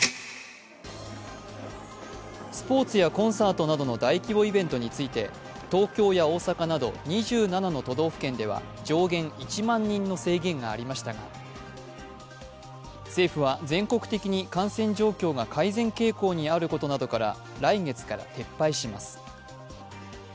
スポ−ツやコンサートなどの大規模イベントについて東京や大阪など２７の都道府県では上限１万人の制限がありましたが、政府は全国的に感染状況が改善傾向にあることなどから来月から撤廃します。